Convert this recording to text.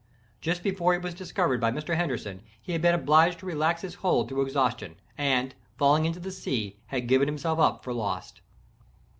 Just before he was discovered by Mr. Henderson, he had been obliged to relax his hold through exhaustion, and, falling into the sea, had given himself up for lost.